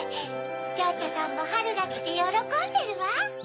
ちょうちょうさんもはるがきてよろこんでるわ。